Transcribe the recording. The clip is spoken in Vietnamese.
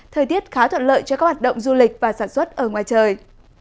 thời tiết khá thuận lợi cho các hoạt động du lịch và sản xuất ở ngoài trời